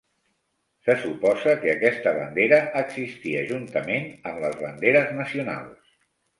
Se suposa que aquesta bandera existia juntament amb les banderes nacionals.